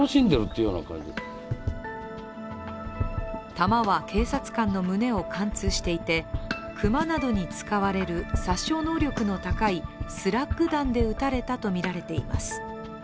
弾は警察官の胸を貫通していて熊などに使われる殺傷能力の高いスラッグ弾で撃たれたとみられています。